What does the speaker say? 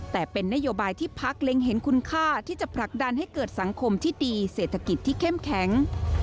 แต่เป็นนโยบายที่พักเล็งเห็นคุณค่าที่จะผลักดันให้เกิดสังคมที่ดีเศรษฐกิจที่เข้มแข็ง